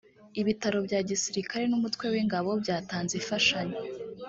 ibitaro bya gisirikare n’umutwe w’ingabo byatanze ifashanyo.